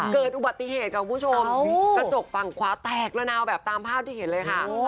เกิดอุบัติเหตุค่ะคุณผู้ชมกระจกฝั่งขวาแตกระนาวแบบตามภาพที่เห็นเลยค่ะ